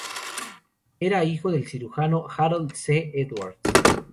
Era hijo del cirujano Harold C. Edwards.